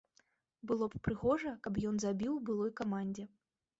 Было б прыгожа, каб ён забіў былой камандзе.